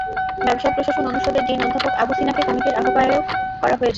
ব্যবসায় প্রশাসন অনুষদের ডিন অধ্যাপক আবু সিনাকে কমিটির আহ্বায়ক করা হয়েছে।